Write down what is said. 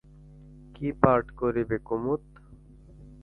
কী part করিবে কুমুদ?